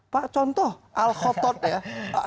pak contoh al khotot ya